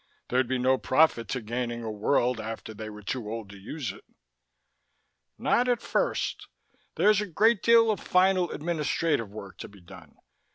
There'd be no profit to gaining a world after they were too old to use it. "Not at first. There's a great deal of final administrative work to be done.